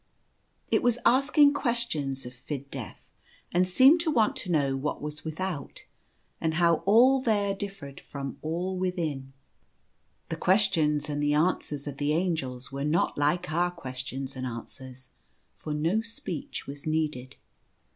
It was asking questions of Fid Def, and seemed to 8 The Child Angel. want to know what was without, and how all there dif fered from all within. The questions and the answers of the Angels were not like our questions and answers, for no speech was needed.